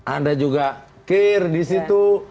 ada juga kir di situ